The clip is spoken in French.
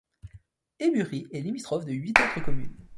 Eyburie est limitrophe de huit autres communes.